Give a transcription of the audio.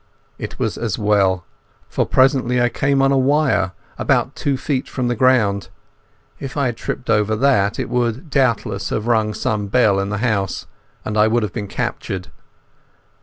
It was as well, for presently I came on a wire about two feet from the ground. If I had tripped over that, it would doubtless have rung some bell in the house and I would have been captured.